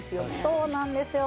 そうなんですよ。